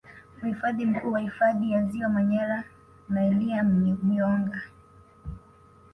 Mhifadhi Mkuu wa Hifadhi ya Ziwa Manyara Noelia Myonga